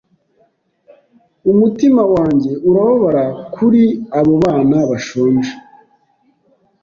Umutima wanjye urababara kuri abo bana bashonje.